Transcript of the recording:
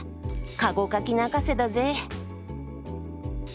駕籠かき泣かせだぜ。